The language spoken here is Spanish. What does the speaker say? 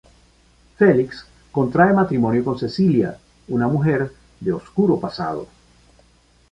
Felix contrae matrimonio con Cecilia, una mujer de oscuro pasado.